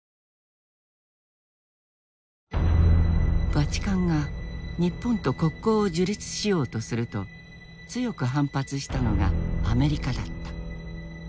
バチカンが日本と国交を樹立しようとすると強く反発したのがアメリカだった。